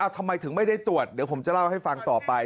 ทำไมถึงไม่ได้ตรวจเดี๋ยวผมจะเล่าให้ฟังต่อไป